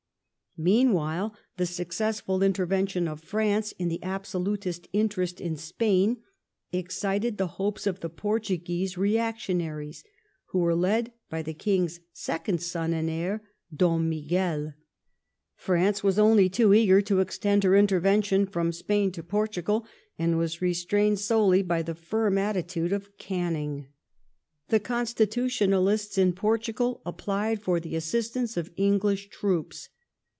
Meanwhile, the successful intervention of France in the absolutist interest in Spain excited the hopes of the Portuguese reactionaries, who were led by the King's second son and heir, Dom MigiJel. France was only too eager to extend her intervention from Spain to Portugal, and was restrained solely by the firm attitude of Canning. The Constitutionalists in Portugal applied for the assistance of English troops.